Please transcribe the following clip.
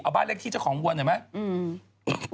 เอาบ้านเลขที่เจ้าของวัวหน่อยไหม